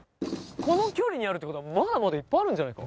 この距離にあるってことはまだまだいっぱいあるんじゃないか？